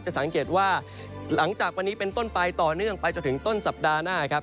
สังเกตว่าหลังจากวันนี้เป็นต้นไปต่อเนื่องไปจนถึงต้นสัปดาห์หน้าครับ